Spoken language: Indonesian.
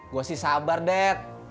gue sih sabar dad